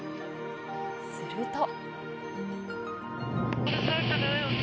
すると。